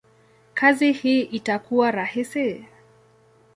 kazi hii itakuwa rahisi?